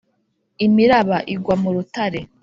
imiraba igwa mu rutare.